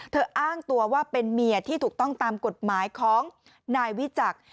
อ้างตัวว่าเป็นเมียที่ถูกต้องตามกฎหมายของนายวิจักร